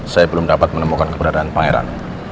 saya belum dapat menemukan keberadaan pangeran